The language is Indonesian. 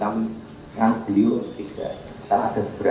karena ada yang terlalu banyak yang terlalu banyak